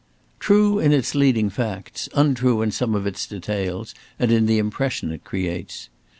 "True in its leading facts; untrue in some of its details, and in the impression it creates.